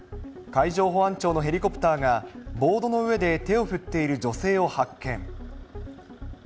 海上保安庁のヘリコプターが、ボードの上で手を振っている女性を発見。